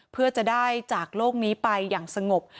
เพื่อจะได้จากโลกนี้ไปอย่างสงบ